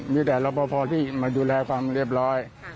มีแต่รับประพอที่มาดูแลความเรียบร้อย